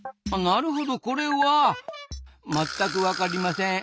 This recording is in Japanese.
なるほどこれはまったく分かりません。